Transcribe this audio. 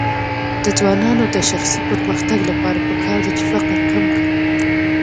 د ځوانانو د شخصي پرمختګ لپاره پکار ده چې فقر کم کړي.